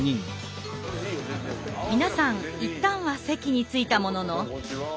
皆さん一旦は席に着いたものの。